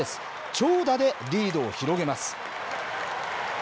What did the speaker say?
長打でリードを広げます。